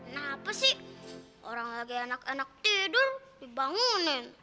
napa sih orang lagi enak enak tidur dibangunin